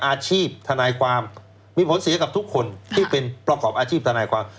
ทนายความมีผลเสียกับทุกคนที่เป็นประกอบอาชีพทนายความ